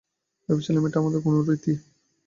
ভেবেছিলাম, এটা আবার কোন রীতি।